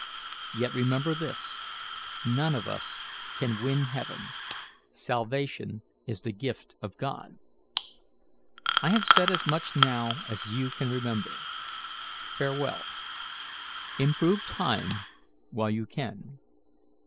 Yet remember this: none of us can win heaven; salvation is the gift of God. I have said as much now as you can remember. Farewell. Improve time while you can.